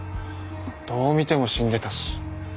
どう見ても死んでたし。